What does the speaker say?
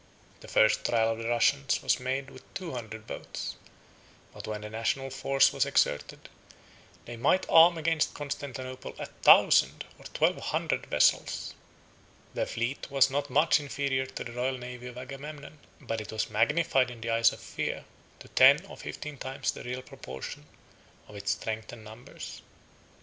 The first trial of the Russians was made with two hundred boats; but when the national force was exerted, they might arm against Constantinople a thousand or twelve hundred vessels. Their fleet was not much inferior to the royal navy of Agamemnon, but it was magnified in the eyes of fear to ten or fifteen times the real proportion of its strength and numbers.